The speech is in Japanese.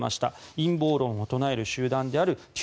陰謀論を唱える集団であるＱ